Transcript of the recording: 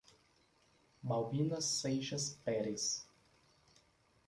Baubina Seixas Peres